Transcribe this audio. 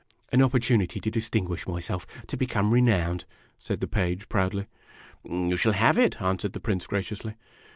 "An opportunity to distinguish myself to become renowned!' 1 said the Page, proudly. " You shall have it," answered the Prince, graciously.